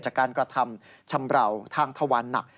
จากการกระทำชำราวทางทวันหนัก